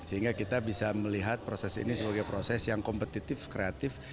sehingga kita bisa melihat proses ini sebagai proses yang kompetitif kreatif